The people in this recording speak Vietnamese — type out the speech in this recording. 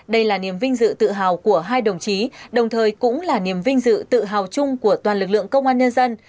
đây là niềm vinh dự tự hào của hai đồng chí đồng thời cũng là niềm vinh dự tự hào chung của toàn lực lượng công an nhân dân